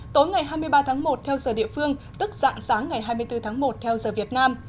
tối ngày hai mươi ba tháng một theo giờ địa phương tức dạng sáng ngày hai mươi bốn tháng một theo giờ việt nam